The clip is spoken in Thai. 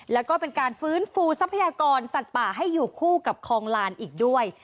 แล้วก็เป็นการฟื้นฟูทรัพยากรสัตว์ป่าให้อยู่คู่กับคลองลานอีกด้วย